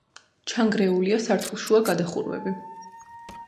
ჩანგრეულია სართულშუა გადახურვები.